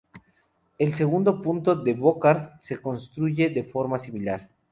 El segundo punto de Brocard se construye de forma similar.